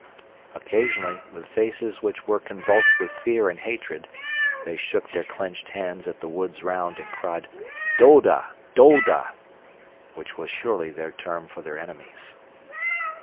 Occasionally, with faces which were convulsed with fear and hatred, they shook their clenched hands at the woods round and cried: "Doda! Doda!" which was surely their term for their enemies.